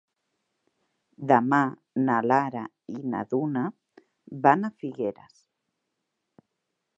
Demà na Lara i na Duna van a Figueres.